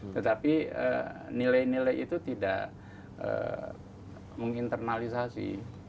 tetapi nilai nilai itu tidak menginternalisasi